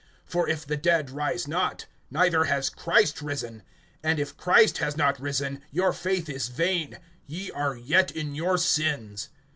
(16)For if the dead rise not, neither has Christ risen; (17)and if Christ has not risen, your faith is vain; ye are yet in your sins.